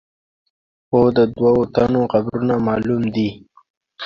خو د دوو تنو قبرونه معلوم دي.